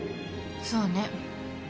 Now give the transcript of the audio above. そうね。